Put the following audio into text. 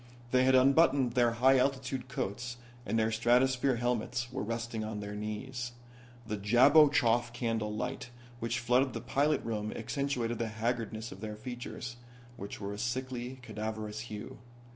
They had unbuttoned their high altitude coats and their stratosphere helmets were resting on their knees. The Jablochoff candle light which flooded the pilot room accentuated the haggardness of their features, which were a sickly cadaverous hue.